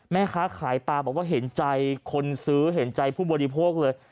แม่ค้าขายปลาบอกว่าเห็นใจคนซื้อเห็นใจผู้บริโภคเลย